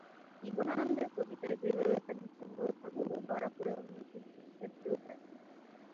জীবনানন্দের কবিতায় যেভাবে তাঁর নিঃসঙ্গতাগুলো ধরা পড়ে, অন্য শিল্পীর ক্ষেত্রেও তা-ই।